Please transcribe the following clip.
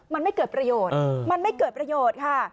มันไม่เกิดประโยชน์มันไม่เกิดประโยชน์ค่ะ